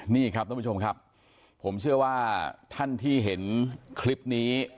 นี่ครับท่านผู้ชมครับผมเชื่อว่าท่านที่เห็นคลิปนี้